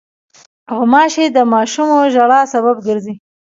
غوماشې د ماشومو ژړا سبب ګرځي.